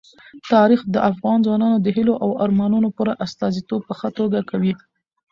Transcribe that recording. تاریخ د افغان ځوانانو د هیلو او ارمانونو پوره استازیتوب په ښه توګه کوي.